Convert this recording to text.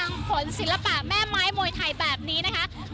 ช้างก็ยังฝนศิลปะแม่ไม้มวยไทยแบบนี้นะคะ